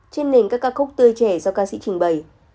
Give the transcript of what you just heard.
trên nền các ca khúc tươi trẻ do ca sĩ trình bày